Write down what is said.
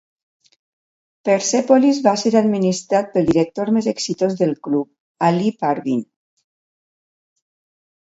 Persepolis va ser administrat pel director més exitós del club, Ali Parvin.